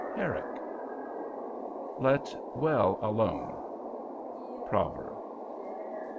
—Herrick. Let well alone.—Proverb.